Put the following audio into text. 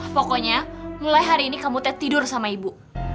pokoknya mulai hari ini kamu teh tidur sama ibu